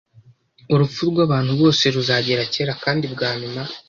Urupfu rwabantu bose ruzagera cyera kandi bwanyuma.